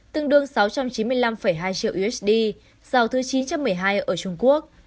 tương đương sáu trăm chín mươi năm hai triệu usd giao thứ chín trăm một mươi hai ở trung quốc